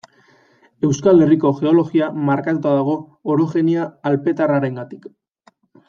Euskal Herriko geologia markatuta dago orogenia alpetarrarengatik.